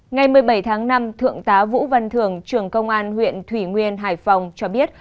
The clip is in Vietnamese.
ngày một mươi bảy tháng năm thượng tá vũ văn thường trưởng công an huyện thủy nguyên hải phòng cho biết